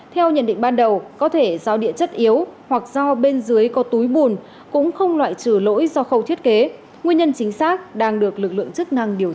theo nhận định ban đầu có thể do địa chất yếu hoặc do bên dưới có túi bùn cũng không loại trừ lỗi do khâu thiết kế nguyên nhân chính xác đang được lực lượng chức năng điều tra